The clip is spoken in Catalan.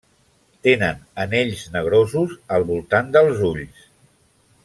Tenen anells negrosos al voltant dels ulls.